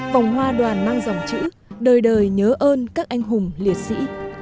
vòng hoa đoàn mang dòng chữ đời đời nhớ ơn các anh hùng liệt sĩ